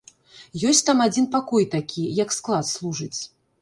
Ёсць там адзін пакой такі, як склад служыць.